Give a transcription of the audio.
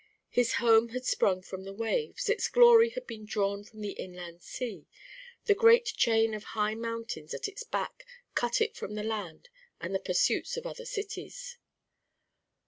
His home had sprung from the waves, its glory had been drawn from the inland sea, the great chain of high mountains at its back cut it off from the land and the pursuits of other cities.